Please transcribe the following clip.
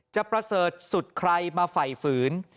จะประเสริตสุดใครมาฝ่ายฝืน